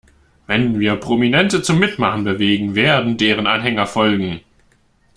Wenn wir Prominente zum Mitmachen bewegen, werden deren Anhänger folgen.